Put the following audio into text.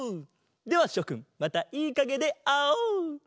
ではしょくんまたいいかげであおう！